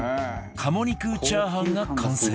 鴨肉チャーハンが完成